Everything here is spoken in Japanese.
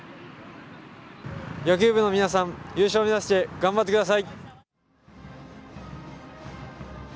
野球部の皆さん優勝目指して頑張ってください。